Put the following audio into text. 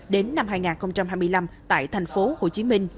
đến năm hai nghìn hai mươi năm tại thành phố hồ chí minh